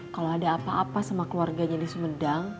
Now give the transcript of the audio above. kalau ada apa apa sama keluarganya di sumedang